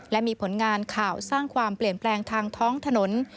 และมีผลงานข่าวสร้างความเปลี่ยนแปลงทางท้องถนน